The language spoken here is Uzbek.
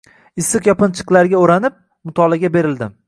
Issiq yopinchiqlarga o’ranib mutolaaga berildim.